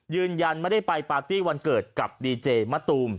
ยืนยันไม่ได้ไปปาร์ตี้วันเกิดกับดีเจมะตูม